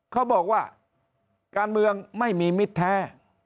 เขาบอกว่าการเมืองไม่มีมิตรแท้